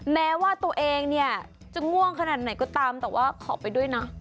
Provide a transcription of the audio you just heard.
แม้ว่าตัวเองเนี่ยจะง่วงขนาดไหนก็ตามแต่ว่าขอไปด้วยนะ